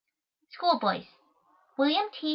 School Boys WILLIAM T.